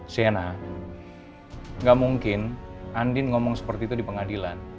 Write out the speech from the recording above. sienna gak mungkin andin ngomong seperti itu di pengadilan